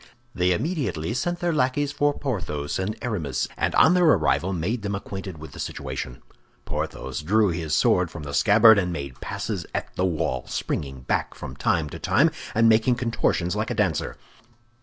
They immediately sent their lackeys for Porthos and Aramis, and on their arrival made them acquainted with the situation. Porthos drew his sword from the scabbard, and made passes at the wall, springing back from time to time, and making contortions like a dancer.